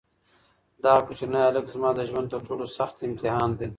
دغه کوچنی هلک زما د ژوند تر ټولو سخت امتحان دی.